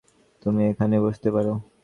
তুমি এখানে বসতে পারো।